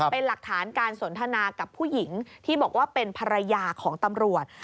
เป็นหลักฐานการสนทนากับผู้หญิงที่บอกว่าเป็นภรรยาของตำรวจ